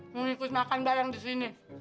mengikut makan bayang di sini